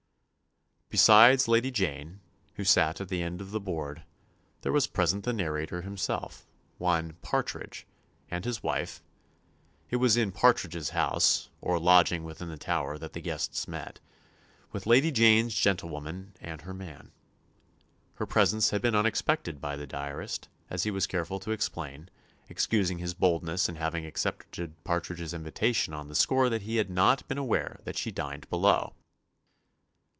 Besides Lady Jane, who sat at the end of the board, there was present the narrator himself, one Partridge, and his wife it was in "Partridge's house," or lodging within the Tower, that the guests met with Lady Jane's gentlewoman and her man. Her presence had been unexpected by the diarist, as he was careful to explain, excusing his boldness in having accepted Partridge's invitation on the score that he had not been aware that she dined below.